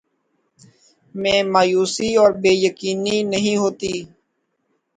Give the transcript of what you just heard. میں مایوسی اور بے یقینی نہیں ہوتی